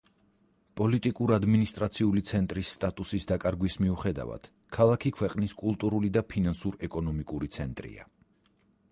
პოლიტიკურ-ადმინისტრაციული ცენტრის სტატუსის დაკარგვის მიუხედავად, ქალაქი ქვეყნის კულტურული და ფინანსურ-ეკონომიკური ცენტრია.